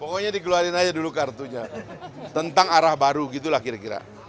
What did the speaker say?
hahaha pokoknya di keluarin aja dulu kartunya tentang arah baru gitu lah kira kira